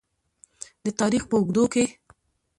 د تاریخ په اوږدو کې.